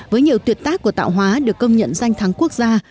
với nhiều tuyệt tác của tạo hóa được công nhận danh thắng quốc gia